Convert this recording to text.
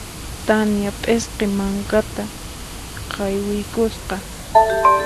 Tania p'isqi mankata qaywiykusqa.